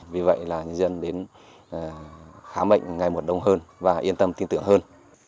vì vậy là nhân dân đến khám bệnh ngày một đông hơn và yên tâm tin tưởng hơn